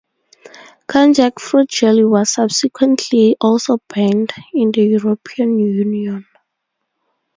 Konjac fruit jelly was subsequently also banned in the European Union.